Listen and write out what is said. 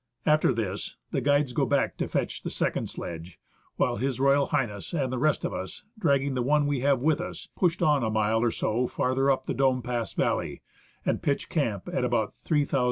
After this, the guides go back to fetch the second sledofe, while H.R. H. and the rest of us, dragging the one we have with us, push on a mile or so farther up the Dome Pass valley, and pitch camp at about 3,350 feet above the sea.